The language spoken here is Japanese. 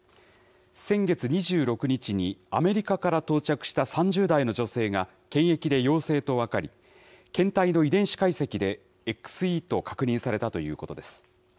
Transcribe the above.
先月２６日にアメリカから到着した３０代の女性が、検疫で陽性と分かり、検体の遺伝子解析でＸＥと確認されたということです。